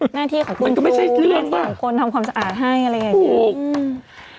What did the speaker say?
หน้าที่ของคุณครูหน้าที่ของคนทำความสะอาดให้อะไรอย่างนี้อืมมันก็ไม่ใช่เรื่องป่ะ